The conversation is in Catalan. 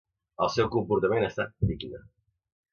El seu comportament ha estat digne.